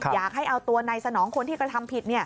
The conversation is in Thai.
อยากให้เอาตัวนายสนองคนที่กระทำผิด